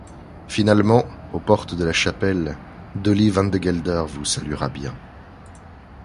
Finalement, aux portes de la chapelle, Dolly Vandegelder vous saluera bien...